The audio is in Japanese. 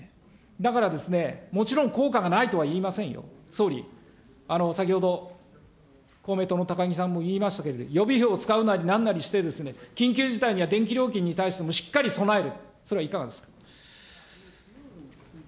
だから、もちろん効果がないとは言いませんよ、総理、先ほど、公明党の高木さんも言いましたけれども、予備費を使うなりなんなりして、緊急事態には電気料金に対してもしっかり備える。